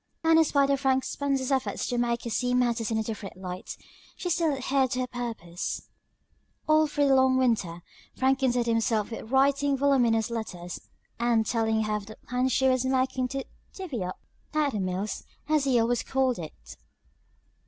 And in spite of Frank Spencer's efforts to make her see matters in a different light, she still adhered to her purpose. All through the long winter Frank contented himself with writing voluminous letters, and telling her of the plans he was making to "divvy up" at the mills, as he always called it.